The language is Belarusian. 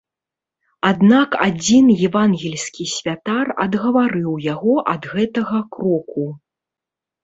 Аднак адзін евангельскі святар адгаварыў яго ад гэтага кроку.